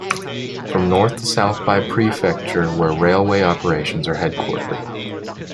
From north to south by prefecture where railway operations are headquartered.